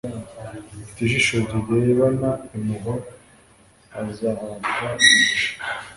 Ufite ijisho rirebana impuhwe azahabwa umugisha